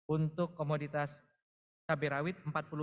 untuk komoditas sapi rawit empat puluh lima empat